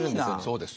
そうです。